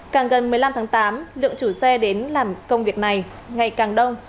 càng gần một mươi năm tháng tám lượng chủ xe đến làm công việc này ngày càng đông